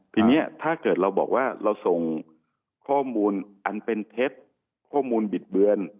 ทีนี้ถ้าเกิดเราบอกว่าเราส่งข้อมูลอันเป็นเท็จข้อมูลบิดเบือน